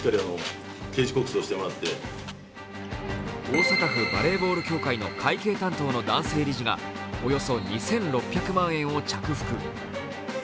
大阪府バレーボール協会の会計担当の男性理事がおよそ２６００万円を着服。